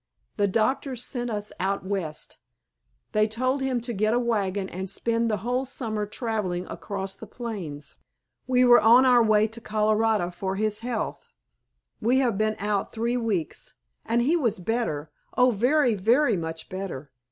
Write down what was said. The doctors sent us out West. They told him to get a wagon and spend the whole summer traveling across the plains. We were on our way to Colorado for his health. We have been out three weeks, and he was better, oh, very, very much better.